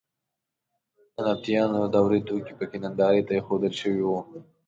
د نبطیانو د دورې توکي په کې نندارې ته اېښودل شوي وو.